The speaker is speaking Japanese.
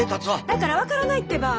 だから分からないってば！